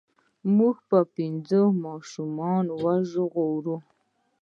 مونږ به پنځه ماشومان ژغورو.